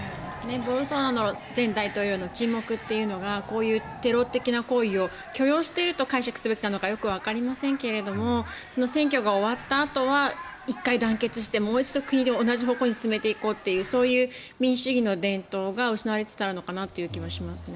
ボルソナロ前大統領の沈黙というのがこういうテロ的な行為を許容すると解釈しているのかよくわかりませんけれども選挙が終わったあとは１回団結してもう一度同じ方向に進めていこうというそういう民主主義の伝統が失われつつあるのかなという気はしますね。